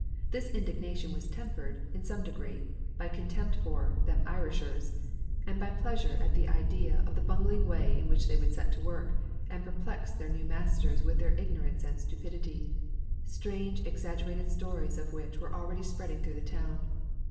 This indignation was tempered in some degree, by contempt for "them Irishers," and by pleasure at the idea of the bungling way in which they would set to work, and perplex their new masters with their ignorance and stupidity, strange exaggerated stories of which were already spreading through the town.